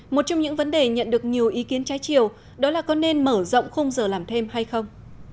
một trong những vấn đề nhận được nhiều ý kiến trái chiều đó là có nên mở rộng khung giờ làm thêm hay không